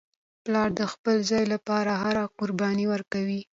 پلار د خپل زوی لپاره هره قرباني ورکوي